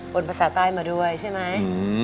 ภาษาใต้มาด้วยใช่ไหม